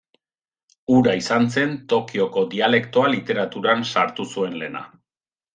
Hura izan zen Tokioko dialektoa literaturan sartu zuen lehena.